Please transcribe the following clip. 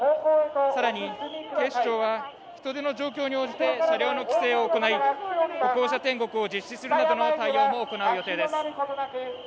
更に、警視庁は人出の状況に応じて車両の規制を行い、歩行者天国を実施するなどの対応も行う予定です。